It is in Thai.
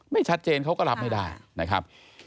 ไม่ชัดเจนเขาก็รับไม่ได้นะครับ